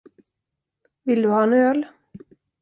Vill du ha en öl?